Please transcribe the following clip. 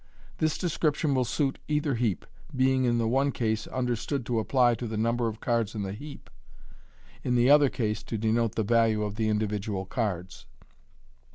This description will suit either heap, being in the one case understood to apply to the number of cards in the heap, in the other case to denote the value of the individual cards.